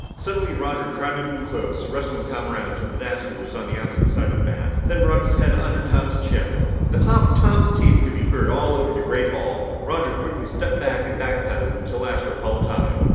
Suddenly, Roger crowded in close, wrestling Tom around so that Astro was on the opposite side of the mat, then brought up his head under Tom's chin. The pop of Tom's teeth could be heard all over the great hall. Roger quickly stepped back, and back pedaled until Astro called time.